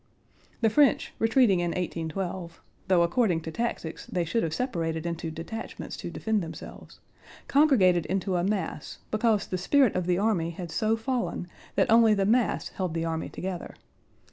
The French, retreating in 1812—though according to tactics they should have separated into detachments to defend themselves—congregated into a mass because the spirit of the army had so fallen that only the mass held the army together.